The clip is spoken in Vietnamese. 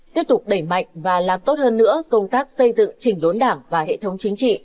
tiếp tục đẩy mạnh và làm tốt hơn nữa công tác xây dựng chỉnh đốn đảng và hệ thống chính trị